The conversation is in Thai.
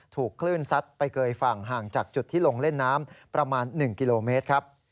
ถูกคลื่นซัดไปเกยฝั่งห่างจากจุดที่ลงเล่นน้ำประมาณ๑กิโลเมตรครับ